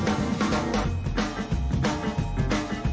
โอ้เฮ้ย